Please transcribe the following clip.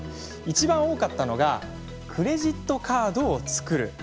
一番多かったのがクレジットカードを作る。